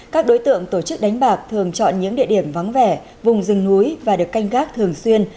các đối tượng tổ chức đánh bạc thường chọn những địa điểm vắng vẻ vùng rừng núi và được canh gác thường xuyên